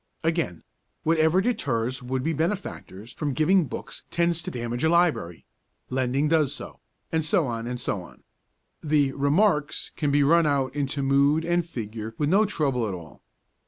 Again, Whatever deters would be benefactors from giving books tends to damage a library; lending does so; ergo, and so on and so on. The 'Remarks' can be run out into mood and figure with no trouble at all.